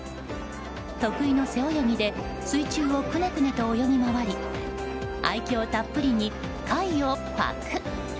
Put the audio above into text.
得意の背泳ぎで水中をくねくねと泳ぎ回り愛嬌たっぷりに貝をパクッ！